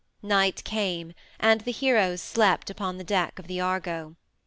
Night came, and the heroes slept upon the deck of Argo.